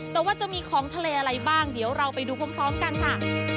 แต่ว่าจะมีของทะเลอะไรบ้างเดี๋ยวเราไปดูพร้อมกันค่ะ